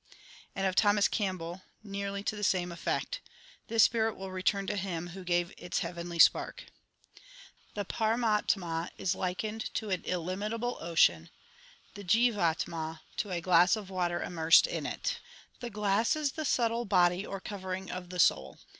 And of Thomas Campbell nearly to the same effect : This spirit will return to Him Who gave its heavenly spark. The Paramatama is likened to an illimitable ocean, the Jivatama to a glass of water immersed in it. The glass is the subtile body or covering of the soul.